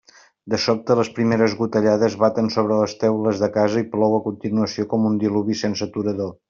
De sobte les primeres gotellades baten sobre les teules de casa i plou a continuació com un diluvi sense aturador.